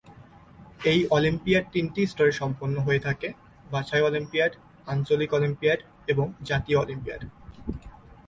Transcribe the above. এই অলিম্পিয়াড তিনটি স্তরে সম্পন্ন হয়ে থাকে: বাছাই অলিম্পিয়াড, আঞ্চলিক অলিম্পিয়াড এবং জাতীয় অলিম্পিয়াড।